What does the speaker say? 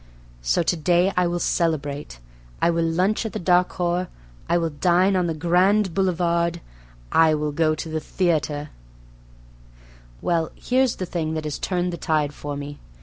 .. So to day I will celebrate. I will lunch at the D'Harcourt, I will dine on the Grand Boulevard, I will go to the theater. Well, here's the thing that has turned the tide for me.